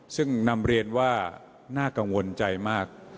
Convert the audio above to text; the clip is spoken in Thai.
ซึ่งนำเรียนว่าน่ากังวลใจมาก